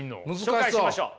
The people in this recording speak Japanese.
紹介しましょう。